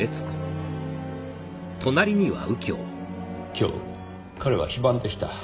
今日彼は非番でした。